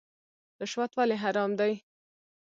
رشوت ولې حرام دی؟